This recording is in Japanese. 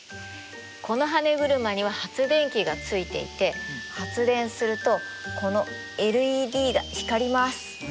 このはね車には発電機がついていて発電するとこのＬＥＤが光ります。